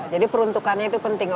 jadi peruntukannya itu penting